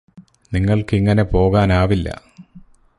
നിങ്ങള്ക്കിങ്ങനെ പോകാനാവില്ല